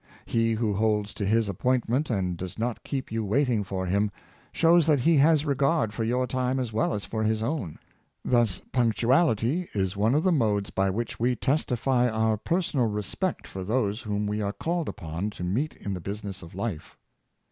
He who holds to his appointment and does not keep you waiting for him, shows that he has regard for your time as well as for his own. Thus punctuality is one of the modes by which we testify our personal respect for those whom we are called upon to meet in the business of life.